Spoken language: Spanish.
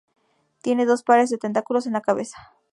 Tienen dos pares de tentáculos en la cabeza.